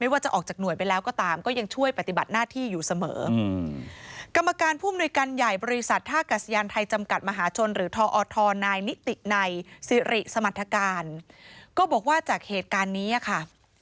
ว่าจะออกจากหน่วยไปแล้วก็ตามก็ยังช่วยปฏิบัติหน้าที่อยู่เสมอกรรมการผู้มนุยการใหญ่บริษัทท่ากัสยานไทยจำกัดมหาชนหรือทอทนายนิติในสิริสมรรถการก็บอกว่าจากเหตุการณ์นี้ค่ะ